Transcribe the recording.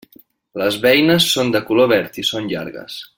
Les beines són de color verd i són llargues.